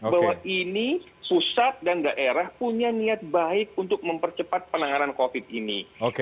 bahwa ini pusat dan daerah punya niat baik untuk mempercepat penanganan covid ini